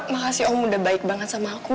makasih om udah baik banget sama aku